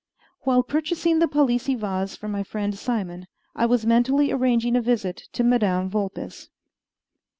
While purchasing the Palissy vase from my friend Simon, I was mentally arranging a visit to Madame Vulpes.